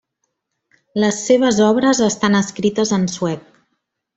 Les seves obres estan escrites en suec.